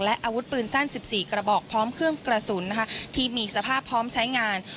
และอาวุธปืนสั้น๑๔กระบอกพร้อมเครื่องกระสุนที่มีสภาพพร้อมใช้งาน